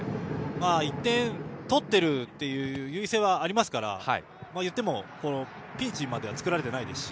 １点取っているという優位性はありますから言っても、ピンチまでは作られてないですし。